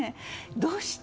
どうして？